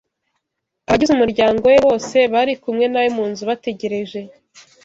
Abagize umuryango we bose bari kumwe na we mu nzu bategereje